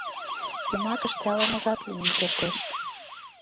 Йомакыште ала-можат лийын кертеш.